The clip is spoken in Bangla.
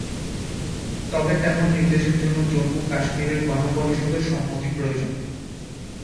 তবে তেমন নির্দেশের জন্য জম্মু কাশ্মীরের গণপরিষদের সম্মতি প্রয়োজন।